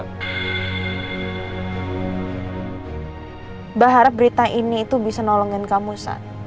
mbak harap berita ini itu bisa nolongin kamu saat